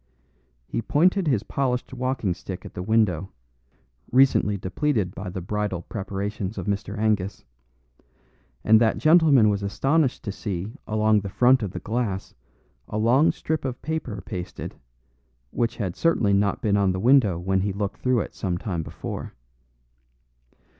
He pointed his polished walking stick at the window, recently depleted by the bridal preparations of Mr. Angus; and that gentleman was astonished to see along the front of the glass a long strip of paper pasted, which had certainly not been on the window when he looked through it some time before.